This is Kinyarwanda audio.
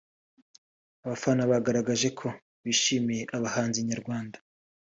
abafana bagaragaje ko bishimiye abahanzi nyarwanda